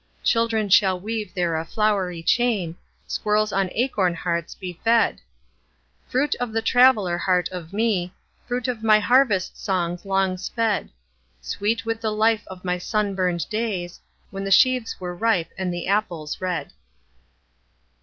Children shall weave there a flowery chain, Squirrels on acorn hearts be fed:— Fruit of the traveller heart of me, Fruit of my harvest songs long sped: Sweet with the life of my sunburned days When the sheaves were ripe, and the apples red.